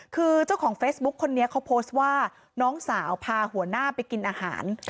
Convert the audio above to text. คือเจ้าของเฟซบุ๊คคนนี้เขาโพสต์ว่าน้องสาวพาหัวหน้าไปกินอาหาร